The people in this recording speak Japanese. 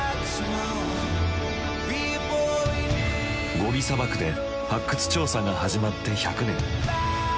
ゴビ砂漠で発掘調査が始まって１００年。